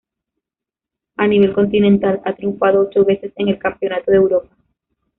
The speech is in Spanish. A nivel continental, ha triunfado ocho veces en el Campeonato de Europa.